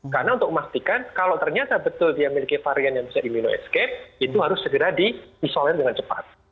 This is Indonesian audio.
karena untuk memastikan kalau ternyata betul dia miliki varian yang bisa dimino escape itu harus segera diisolir dengan cepat